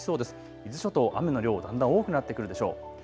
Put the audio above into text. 伊豆諸島、雨の量、だんだん多くなってくるでしょう。